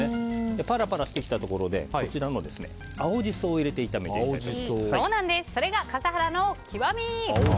パラパラしてきたところで青ジソを入れてそれが笠原の極み。